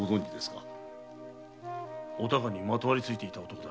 お孝にまとわりついていた男だ。